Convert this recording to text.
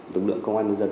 lực lượng công an dân